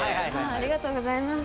ありがとうございます